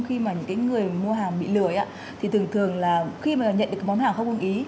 khi mà những người mua hàng bị lừa thì thường thường là khi mà nhận được món hàng không ứng ý